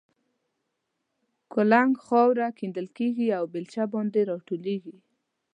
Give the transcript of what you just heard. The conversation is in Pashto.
کولنګ خاوره کیندل کېږي او بېلچه باندې را ټولېږي.